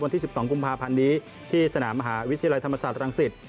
วันที่๑๒กุมภาพันธ์นี้ที่สนามมหาวิทยาลัยธรรมศาสตรังสิต